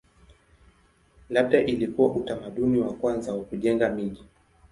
Labda ilikuwa utamaduni wa kwanza wa kujenga miji.